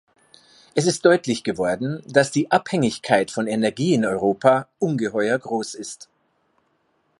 Es ist deutlich geworden, dass die Abhängigkeit von Energie in Europa ungeheuer groß ist.